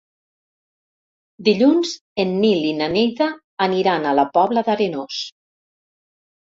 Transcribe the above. Dilluns en Nil i na Neida aniran a la Pobla d'Arenós.